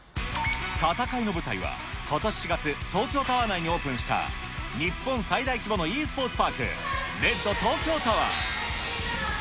戦いの舞台はことし４月、東京タワー内にオープンした日本最大規模のｅスポーツパーク、レッドトーキョータワー。